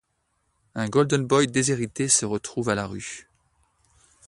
Un golden-boy déshérité se retrouve à la rue.